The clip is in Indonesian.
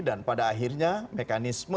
dan pada akhirnya mekanisme